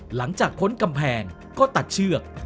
หลังจากพ้นกำแพงก็ตัดเชือก